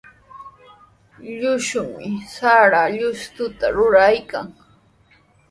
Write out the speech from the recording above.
Llushumi sara llushtuta ruraykan.